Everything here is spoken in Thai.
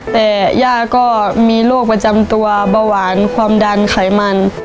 แต่ย่าก็มีโรคประจำตัวเบาหวานความดันไขมัน